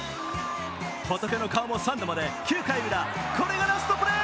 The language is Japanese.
仏の顔も三度まで、９回ウラ、これがラストプレー。